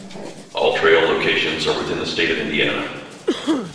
All trail locations are within the state of Indiana.